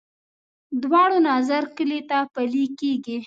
دواړو نظر کلي ته پلی کېږي.